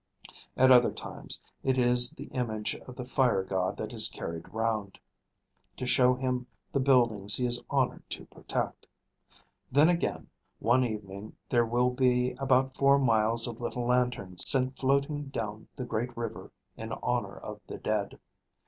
At other times it is the image of the fire god that is carried round, to show him the buildings he is honoured to protect. Then, again, one evening there will be about four miles of little lanterns sent floating down the great river in honour of the dead.